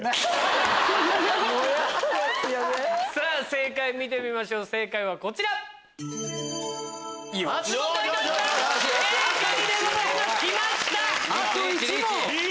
正解見てみましょう正解はこちら！来ました！